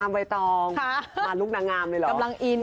อามวัยตองมาลุกนางามเลยหรอ